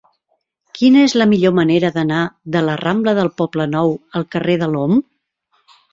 Quina és la millor manera d'anar de la rambla del Poblenou al carrer de l'Om?